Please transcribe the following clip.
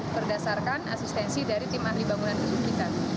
berdasarkan asistensi dari tim ahli bangunan gedung kita